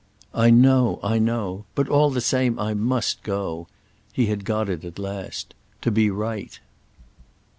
"I know. I know. But all the same I must go." He had got it at last. "To be right."